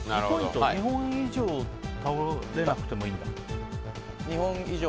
２本以上倒れなくてもいいんだ。